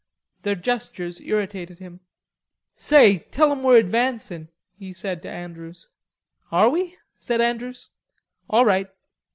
Their gestures irritated him. "Say, tell 'em we're advancin'," he said to Andrews. "Are we?" said Andrews. "All right....